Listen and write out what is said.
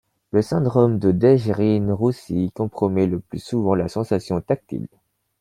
Le syndrome de Dejerine-Roussy compromet le plus souvent la sensation tactile.